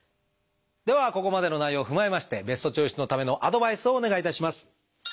ではここまでの内容を踏まえましてベストチョイスのためのアドバイスをお願いいたします。